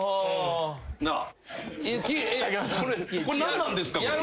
これ何なんですか？